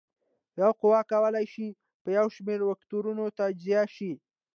یوه قوه کولی شي په یو شمېر وکتورونو تجزیه شي.